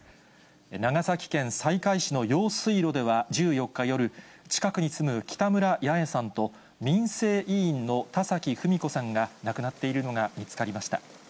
長崎県西海市の用水路では１４日夜、近くに住む北村ヤエさんと民生委員の田崎文子さんが亡くなっているのが見つかりました。